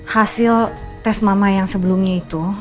hasil tes mama yang sebelumnya itu